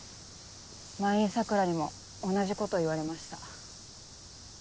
前に桜にも同じこと言われました。